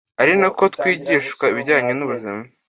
ari na ko twigishwa ibijyanye n’ubuzima